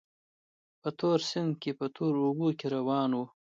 په تور سیند کې په تورو اوبو کې روان وو.